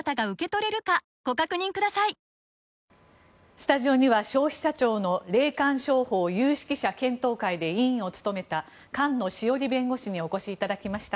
スタジオには、消費者庁の霊感商法有識者検討会で委員を務めた菅野志桜里弁護士にお越しいただきました。